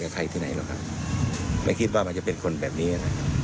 ใครที่ไหนหรอกครับไม่คิดว่ามันจะเป็นคนแบบนี้